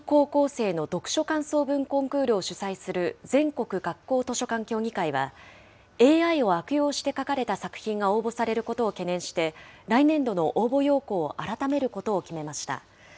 小中高校生の読書感想文コンクールを主催する全国学校図書館協議会は、ＡＩを悪用して書かれた作品が応募されることを懸念して、来年度の応募要項を改めることを決めました。